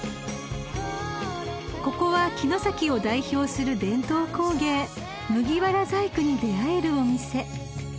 ［ここは城崎を代表する伝統工芸麦わら細工に出合えるお店］